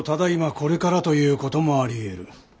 これからということもありえる。